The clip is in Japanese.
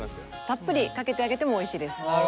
たっぷりかけてあげてもおいしいです。